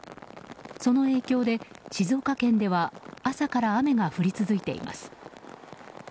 その影響で静岡県では朝から雨が降り続いています。